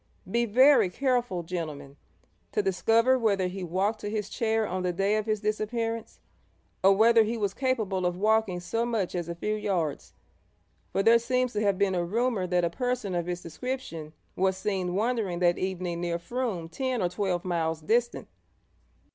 'Be very careful, gentlemen, to discover whether he walked to his chair on the day of his disappearance, or whether he was capable of walking so much as a few yards; for there seems to have been a rumour that a person of his description was seen wandering that evening near Frome ten or twelve miles distant.'